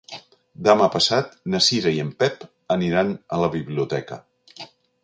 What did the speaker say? Demà passat na Cira i en Pep aniran a la biblioteca.